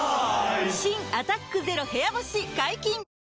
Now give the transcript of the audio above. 新「アタックＺＥＲＯ部屋干し」解禁‼